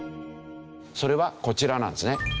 それはこちらなんですね。